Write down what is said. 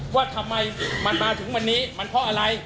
ว่าทำไมมันมาถึงวันนี้มันเพราะอะไร